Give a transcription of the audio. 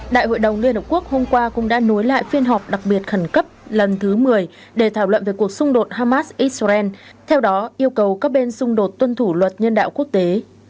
đại hội đồng liên hợp quốc hôm qua cũng đã nối lại phiên họp đặc biệt khẩn cấp lần thứ một mươi để thảo luận về cuộc xung đột hamas israel theo đó yêu cầu các bên xung đột tuân thủ luật nhân đạo quốc tế